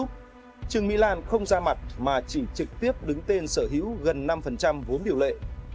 trương mỹ lan không ra mặt mà chỉ trực tiếp đứng tên sở hữu gần năm vốn điều lệ